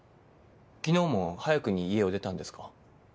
昨日も早くに家を出たんですか？